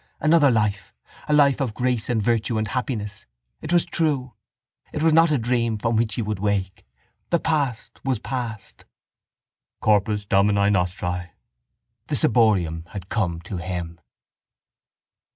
_ Another life! A life of grace and virtue and happiness! It was true. It was not a dream from which he would wake. The past was past. —Corpus Domini nostri. The ciborium had come to him.